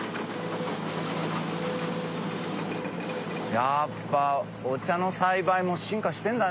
やっぱお茶の栽培も進化してんだね。